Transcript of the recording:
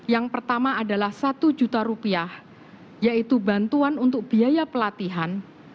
yang pertama adalah rp satu yaitu bantuan untuk biaya pelatihan